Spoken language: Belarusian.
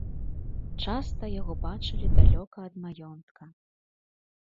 Часта яго бачылі далёка ад маёнтка.